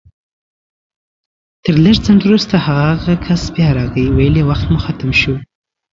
تر لږ ځنډ وروسته هماغه کس بيا راغی ويل يې وخت مو ختم شو